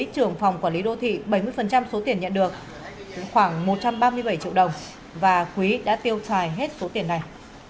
trưởng phòng quản lý đô thị bảy mươi số tiền nhận được khoảng một trăm ba mươi bảy triệu đồng và quý đã tiêu xài hết số tiền này